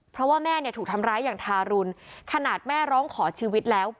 เพราะว่าแม่เนี่ยถูกทำร้ายอย่างทารุณขนาดแม่ร้องขอชีวิตแล้ว